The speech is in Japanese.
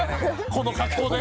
この格好で？